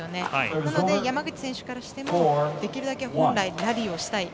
なので、山口選手からしてもできるだけ本来ナビをしたい。